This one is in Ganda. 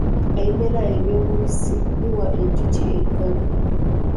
Ebimera eby'omubissi biwa enjuki engaano.